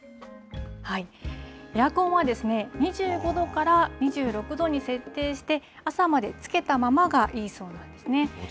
エアコンは２５度から２６度に設定して、朝までつけたままがいいそうなんですね。